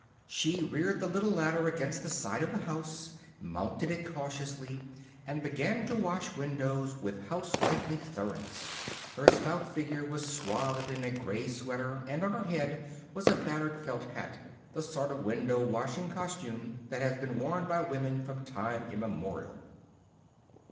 She reared the little ladder against the side of the house, mounted it cautiously, and began to wash windows with housewifely thoroughness. Her stout figure was swathed in a gray sweater and on her head was a battered felt hat the sort of window washing costume that has been worn by women from time immemorial.